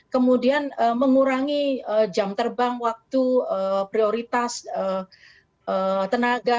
kemudian mengurangi jam terbang waktu prioritas tenaga